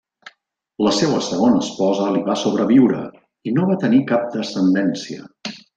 La seua segona esposa li va sobreviure, i no va tenir cap descendència.